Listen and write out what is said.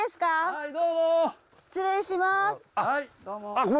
はいどうも。